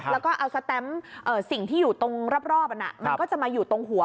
แล้วก็เอาสแตมป์สิ่งที่อยู่ตรงรอบมันก็จะมาอยู่ตรงหัว